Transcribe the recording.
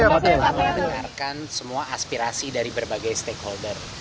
saya mendengarkan semua aspirasi dari berbagai stakeholder